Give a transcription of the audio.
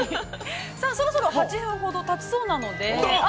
◆そろそろ８分ほどたちそうなので。